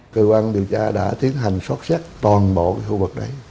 cơ quan điều tra đã tiến hành xót xét toàn bộ khu vực đấy